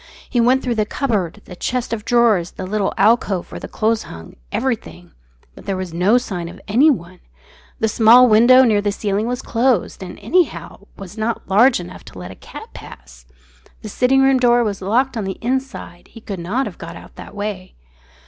He went through the cupboard, the chest of drawers, the little alcove where the clothes hung everything. But there was no sign of anyone. The small window near the ceiling was closed; and, anyhow, was not large enough to let a cat pass. The sitting room door was locked on the inside; he could not have got out that way.